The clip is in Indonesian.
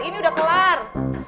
ini udah kelar